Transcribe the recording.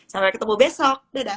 sampai ketemu besok dadah